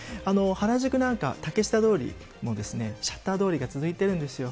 原宿なんか、竹下通りも、シャッター通りが続いてるんですよ。